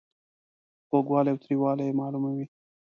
خوږوالی او تریووالی یې معلوموي.